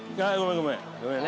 ごめんね。